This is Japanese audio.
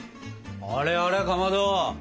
あれあれかまど！